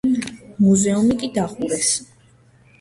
მუზეუმი კი დახურეს.